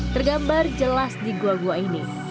tergambar jelas di gua gua ini